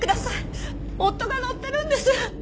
夫が乗ってるんです！